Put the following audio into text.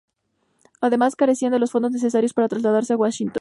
Además, carecía de los fondos necesarios para trasladarse a Washington.